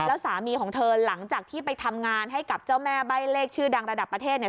แล้วสามีของเธอหลังจากที่ไปทำงานให้กับเจ้าแม่ใบ้เลขชื่อดังระดับประเทศเนี่ย